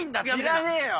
知らねえよ！